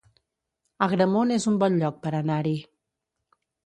Agramunt es un bon lloc per anar-hi